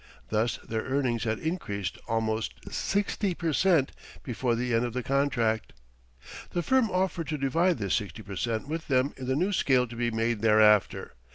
Thus their earnings had increased almost sixty per cent before the end of the contract. The firm offered to divide this sixty per cent with them in the new scale to be made thereafter.